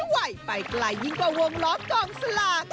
ไหวไปไกลยิ่งกว่าวงล้อกองสลาก